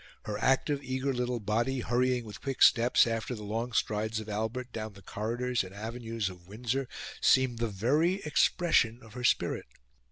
Her active, eager little body hurrying with quick steps after the long strides of Albert down the corridors and avenues of Windsor, seemed the very expression of her spirit.